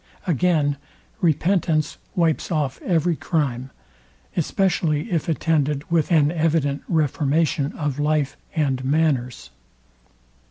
Again, repentance wipes off every crime, especially if attended with an evident reformation of life and manners.